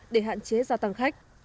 để hạn chế gia tăng khách